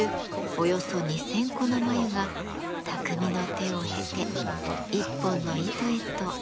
およそ２，０００個の繭が匠の手を経て一本の糸へと姿を変えます。